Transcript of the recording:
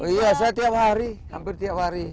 oh iya saya tiap hari hampir tiap hari